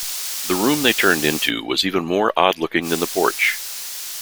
The room they turned into was even more odd-looking than the porch.